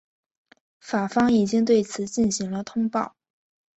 法方已经对此进行了通报。